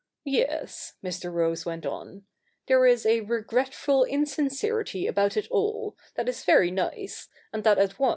' Yes,' Mr. Rose went on, ' there is a regretful in sincerity about it all, that is very nice, and that at once CH.